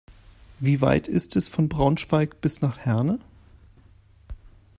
Wie weit ist es von Braunschweig bis nach Herne?